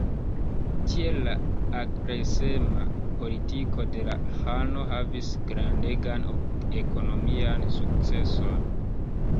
Tiel la agresema politiko de la ĥano havis grandegan ekonomian sukceson.